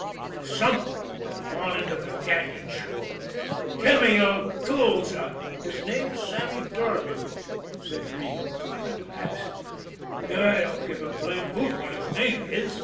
Something would have gone into the cañon sure. Timmy O'Toole's a " "His name's Sammy Durgan," said Regan, kind of absently. "I don't give a blamed hoot what his name is!"